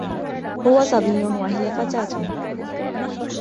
هو صبي وهي فتاة.